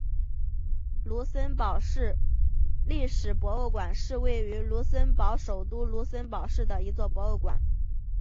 卢森堡市历史博物馆是位于卢森堡首都卢森堡市的一座博物馆。